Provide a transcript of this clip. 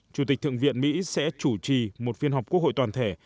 chủ tịch thượng viện mỹ sẽ chủ trì một phiên họp quốc hội toàn thể